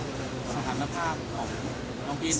สถานภาพของน้องพีทเนี่ย